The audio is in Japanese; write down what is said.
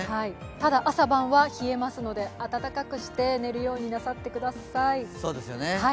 ただ、朝晩は冷えますので、あたたかくして寝るようになさってください。